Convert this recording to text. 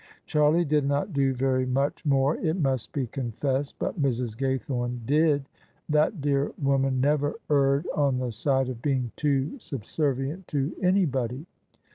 Charlie did not do very much more, it must be confessed: but Mrs. Gaythome did — ^that dear woman never erred on the side of being too subservient OF ISABEL CARNABY to anybody.